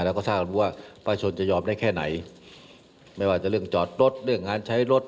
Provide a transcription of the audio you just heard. เราก็ทราบว่าป้าชนจะยอมได้แค่ไหนไม่ว่าจะเรื่องจอดรถเรื่องงานใช้รถ